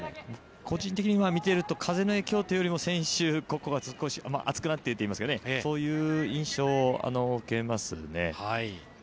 ◆個人的に見ていると風の影響というよりも選手個々が熱くなっているといいますかね、そういう印象を受けますね。